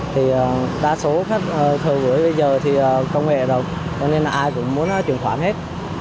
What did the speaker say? thì đa số khách thờ gửi bây giờ thì công nghệ đồng nên là ai cũng muốn truyền khoản hết